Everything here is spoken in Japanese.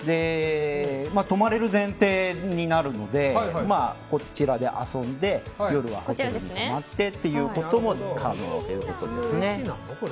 泊まれる前提になるのでこちらで遊んで夜はホテルに泊まってということも可能です。